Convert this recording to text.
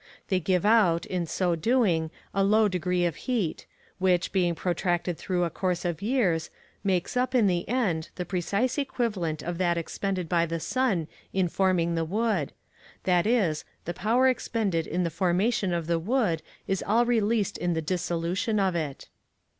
They give out, in so doing, a low degree of heat, which, being protracted through a course of years, makes up, in the end, the precise equivalent of that expended by the sun in forming the wood that is, the power expended in the formation of the wood is all released in the dissolution of it.